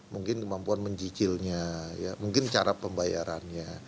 mungkin kemampuan mencicilnya mungkin cara pembayarannya